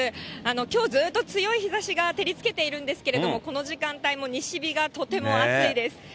きょうずっと強い日ざし照りつけてるんですけれども、この時間帯も西日がとても暑いです。